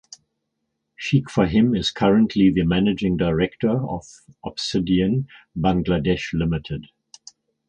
Sheikh Fahim is currently the managing director of Obsidian Bangladesh Ltd.